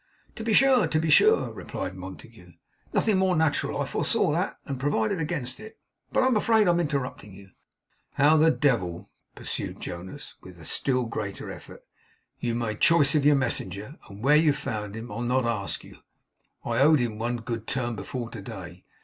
'To be sure! to be sure!' replied Montague. 'Nothing more natural. I foresaw that, and provided against it. But I am afraid I am interrupting you.' 'How the devil,' pursued Jonas, with a still greater effort, 'you made choice of your messenger, and where you found him, I'll not ask you. I owed him one good turn before to day.